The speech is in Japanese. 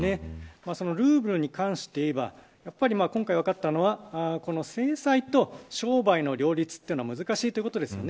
ルーブルに関して言えば今回分かったのは制裁と商売の両立というのは難しいということです。